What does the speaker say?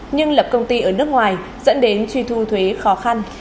nhưng lập công ty ở nước ngoài dẫn đến truy thu thuế khó khăn